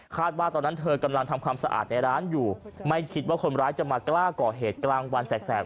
ว่าตอนนั้นเธอกำลังทำความสะอาดในร้านอยู่ไม่คิดว่าคนร้ายจะมากล้าก่อเหตุกลางวันแสก